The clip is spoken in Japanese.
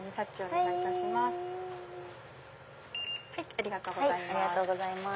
ありがとうございます。